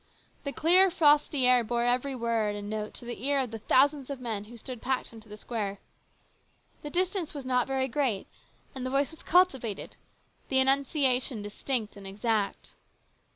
The clear, frosty air bore every word and note to the ear of the thousands of men who stood packed into the square. The distance was not very great, and the voice was cultivated, the enunciation distinct and exact.